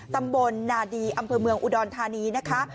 ตำบลนาดีอำเภอเมืองอุดรธานีนะคะ